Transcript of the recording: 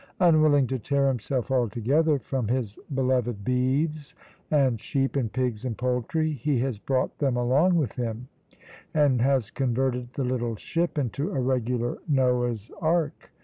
Unwilling to tear himself altogether from his beloved beeves and sheep, and pigs and poultry, he has brought them along with him, and has converted the little ship into a regular Noah's ark.